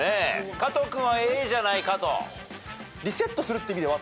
加藤君はＡじゃないかと。